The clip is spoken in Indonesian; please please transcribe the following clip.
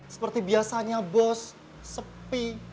seperti biasanya bos sepi